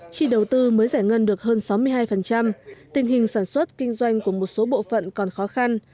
chi đầu tư mới giải ngân được hơn sáu mươi hai tình hình sản xuất kinh doanh của một số bộ phận còn khó khăn